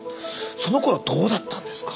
そのころはどうだったんですか？